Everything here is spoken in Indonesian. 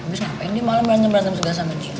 abis ngapain dia malem berantem berantem segar sama cikgu